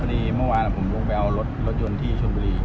เมื่อวานผมลงไปเอารถยนต์ที่ชนบุรี